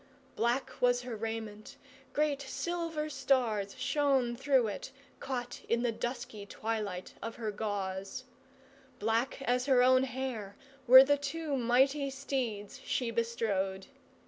Black was her raiment, great silver stars shone through it, caught in the dusky twilight of her gauze; black as her own hair were the two mighty steeds she bestrode.